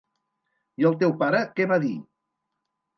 I el teu pare; què va dir?